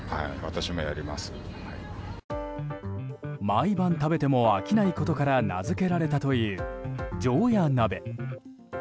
毎晩食べても飽きないことから名づけられたという常夜鍋。